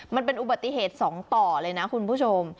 มันเป็นอุบัติเหตุสองต่อเลยนะคุณผู้ชม